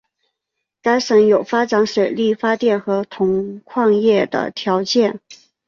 该省有发展水力发电和铜矿业的条件。